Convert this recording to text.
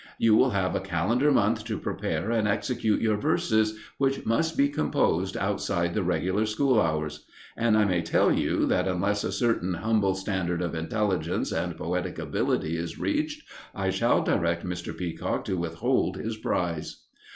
You will have a calendar month to prepare and execute your verses, which must be composed outside the regular school hours; and I may tell you that unless a certain humble standard of intelligence and poetic ability is reached, I shall direct Mr. Peacock to withhold his prize."